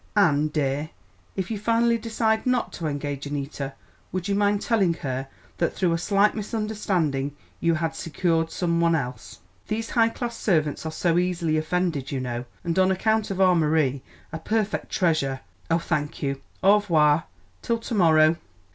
And dear, if you finally decide not to engage Annita, would you mind telling her that through a slight misunderstanding you had secured some one else? These high class servants are so easily offended, you know, and on account of our Marie a perfect treasure Oh, thank you! Au revoir till to morrow!"